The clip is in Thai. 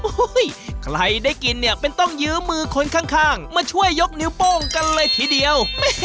ใครได้กินเนี่ยเป็นต้องยื้อมือคนข้างมาช่วยยกนิ้วโป้งกันเลยทีเดียว